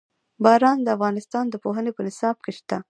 باران د افغانستان د پوهنې په نصاب کې شته.